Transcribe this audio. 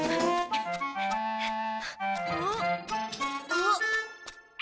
あっ。